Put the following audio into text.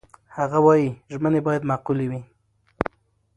هغه وايي، ژمنې باید معقولې وي.